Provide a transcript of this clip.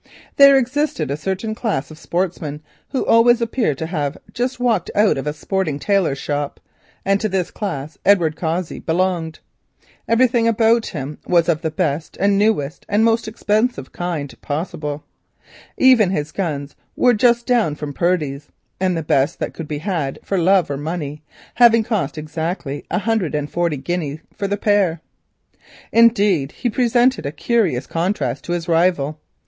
There exists a certain class of sportsmen who always appear to have just walked out of a sporting tailor's shop, and to this class Edward Cossey belonged. Everything about him was of the best and newest and most expensive kind possible; even his guns were just down from a famous maker, and the best that could be had for love or money, having cost exactly a hundred and forty guineas the pair. Indeed, he presented a curious contrast to his rival.